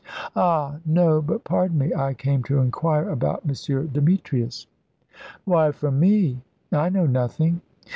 "Ah, no; but pardon me, I came to inquire about M. Demetrius." "Why from me? I know nothing.